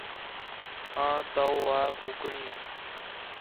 آں تَو وا کُکڑیں